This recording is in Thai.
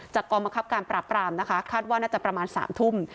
กองบังคับการปราบรามนะคะคาดว่าน่าจะประมาณ๓ทุ่ม